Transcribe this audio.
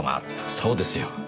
そうですよ。